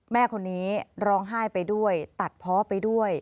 แม่คนนี้ร้องไห้ไปด้วยตัดเพาะไปด้วย